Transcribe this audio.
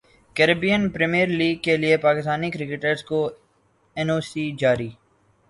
Caribbean premiere league کیلئے Pakistani cricketers کو N O C جاری